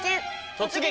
「突撃！